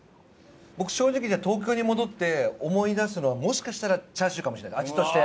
僕正直東京に戻って思い出すのはもしかしたらチャーシューかもしれない味として。